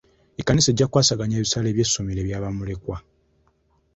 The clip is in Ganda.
Ekkanisa ejja kukwasaganya ebisale by'essomero ebya bamulekwa.